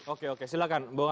oke oke silahkan